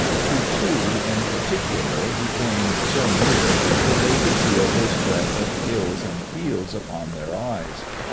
To two, in particular, He came so near that they could feel his breath of hills and fields upon their eyes.